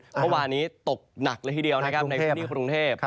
เพราะวานนี้ตกหนักละทีเดียวในพื้นที่กรุงเทพฯ